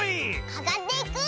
かかっていく！